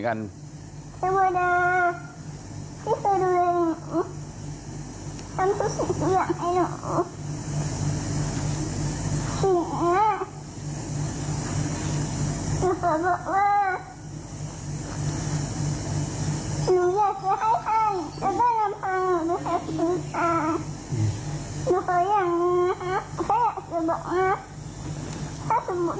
หนูอยากจะให้ไข่จะเปิดลำบังหรือแพ้สุดท้ายหนูเขาอยากงานนะฮะเขาอยากจะบอกนะ